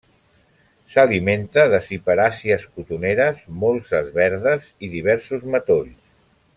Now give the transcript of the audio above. S'alimenta de ciperàcies, cotoneres, molses verdes i diversos matolls.